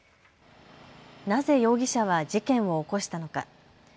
なぜ容疑者は事件を起こしたのか。